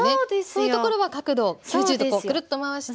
そういうところは角度を９０度くるっと回して。